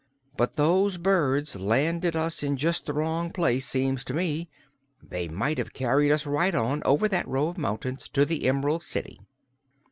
"But those birds landed us in just the wrong place, seems to me. They might have carried us right on, over that row of mountains, to the Em'rald City."